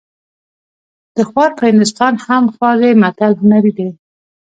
د خوار په هندوستان هم خوار دی متل هنري دی